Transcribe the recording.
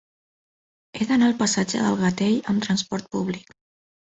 He d'anar al passatge del Gatell amb trasport públic.